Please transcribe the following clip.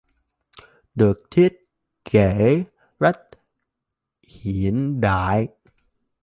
Được thiết kế rất hiện đại